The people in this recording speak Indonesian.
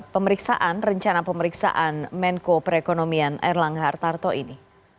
pemeriksaan rencana pemeriksaan menko perekonomian erlangga hartarto ini